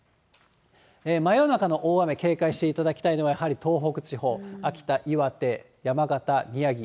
真夜中の大雨、警戒していただきたいのは、やはり東北地方、秋田、岩手、山形、宮城。